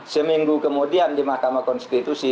seminggu kemudian di mahkamah konstitusi